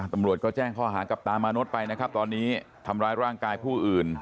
ตำรวจก็แจ้งข้อหากับตามานดไปนะครับตอนนี้ทำร้ายร่างกายผู้อื่น